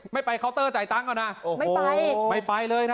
ไม่ไปเคาน์เตอร์จ่ายตังค์ก่อนนะไม่ไปไม่ไปเลยนะ